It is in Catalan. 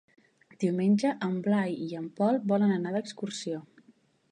Diumenge en Blai i en Pol volen anar d'excursió.